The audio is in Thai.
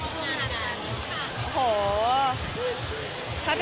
สวัสดีครับ